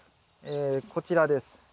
えこちらです。